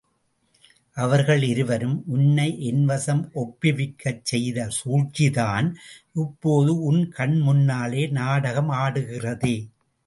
அவர்கள் இருவரும் உன்னை என் வசம் ஒப்புவிக்கச் செய்த சூழ்ச்சிதான் இப்போது உன் கண்முன்னாலே நாடகம் ஆடுகிறதே?